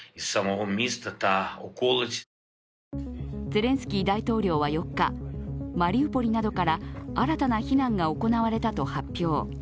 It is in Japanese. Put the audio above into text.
ゼレンスキー大統領は４日、マリウポリなどから新たな避難が行われたと発表。